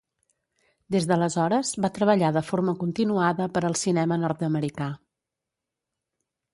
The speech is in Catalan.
Des d'aleshores, va treballar de forma continuada per al cinema nord-americà.